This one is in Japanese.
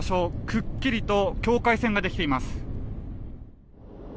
くっきりと境界線ができています。